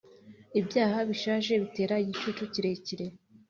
ibyaha bishaje bitera igicucu kirekire